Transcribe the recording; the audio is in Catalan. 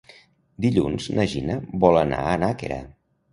Dilluns na Gina vol anar a Nàquera.